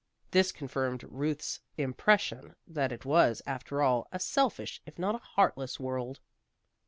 This confirmed Ruth's impression, that it was, after all, a selfish, if not a heartless world.